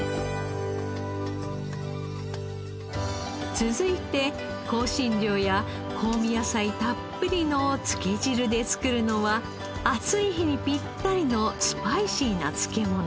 続いて香辛料や香味野菜たっぷりの漬け汁で作るのは暑い日にピッタリのスパイシーな漬物。